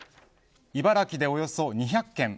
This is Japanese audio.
茨城でおよそ２００軒